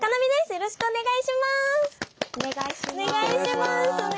よろしくお願いします。